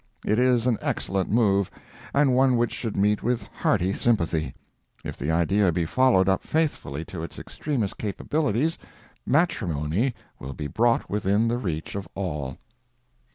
It is an excellent move, and one which should meet with hearty sympathy. If the idea be followed up faithfully to its extremest capabilities, matrimony will be brought within the reach of all.